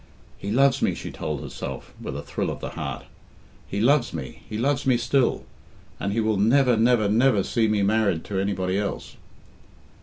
"He loves me," she told herself with a thrill of the heart. "He loves me he loves me still! And he will never, never, never see me married to anybody else."